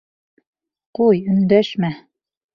Ҡуй, өндәшмә.